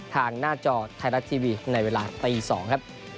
ทางหน้าจอไทยรัฐทีวีในเวลาตี๒ครับ